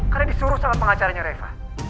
karena disuruh sama pengacaranya reva